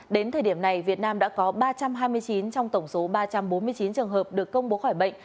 đến thời điểm này việt nam đã có ba trăm hai mươi chín trong tổng số ba trăm bốn mươi chín trường hợp được công bố khỏi bệnh